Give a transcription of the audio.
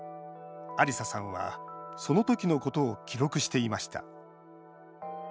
アリサさんは、その時のことを記録していました。